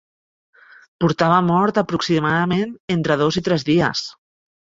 Portava mort aproximadament entre dos i tres dies.